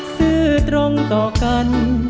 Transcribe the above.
ซื้อตรงต่อกัน